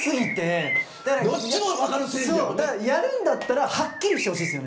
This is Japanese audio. やるんだったらはっきりしてほしいです。